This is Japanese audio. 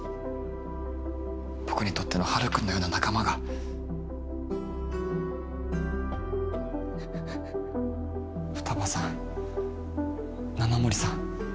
僕にとってのハルくんのような仲間が二葉さん斜森さん